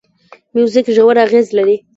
موزیک ژور اغېز لري.